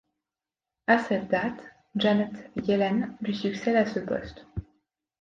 À cette date, Janet Yellen lui succède à ce poste.